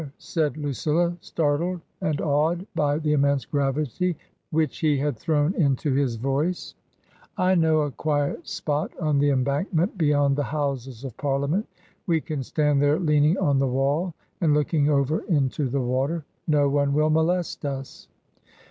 said Lucilla, startled and awed by the immense gravity which he had thrown into his voice. \ TRANSITION. M ^" I know a quiet spot on the l^m\y£^]aQcnt beyond the Houses of Parliament We <^|^$tuid there leaning <m the wall and looking over J^ the water. No one will molest us."